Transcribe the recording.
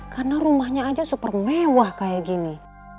karena rumahnya aja super mewah kayak gini